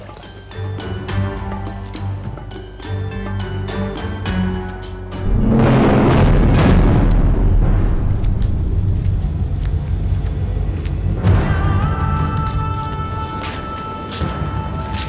ada apa kanjeng